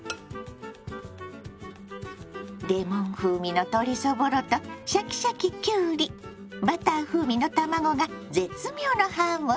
レモン風味の鶏そぼろとシャキシャキきゅうりバター風味の卵が絶妙のハーモニー！